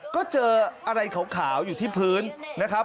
ก็เจออะไรขาวอยู่ที่พื้นนะครับ